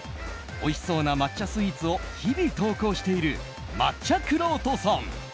おいしそうな抹茶スイーツを日々投稿している抹茶くろうとさん。